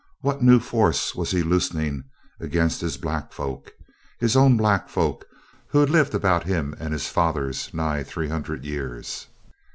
What new force was he loosening against his black folk his own black folk, who had lived about him and his fathers nigh three hundred years?